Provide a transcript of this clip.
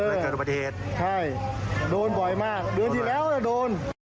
ไม่เออจริงประเทศใช่โดนบ่อยมากเดือนที่แล้วจริงด้วยโดน